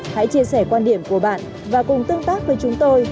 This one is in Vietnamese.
hãy chia sẻ quan điểm của bạn và cùng tương tác với chúng tôi